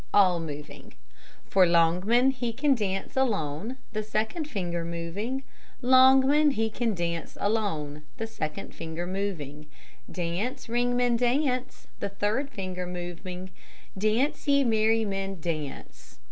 (all moving For Longman, he can dance alone, (the second finger moving Longman, he can dance alone. (the second finger moving Dance, Ringman, dance, (the third finger moving Dance, ye merrymen, dance.